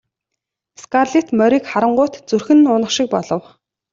Скарлетт морийг харангуут зүрх нь унах шиг болов.